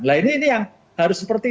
nah ini yang harus seperti